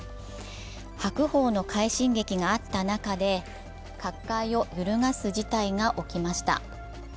白鵬の快進撃があった中で、角界を揺るがす事態が起きました。